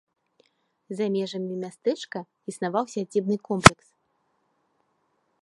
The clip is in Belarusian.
За межамі мястэчка існаваў сядзібны комплекс.